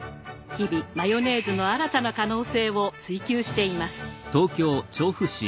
日々マヨネーズの新たな可能性を追求しています。